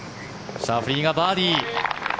シャフリーがバーディー。